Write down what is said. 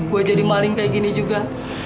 gue jadi maling kayak gini juga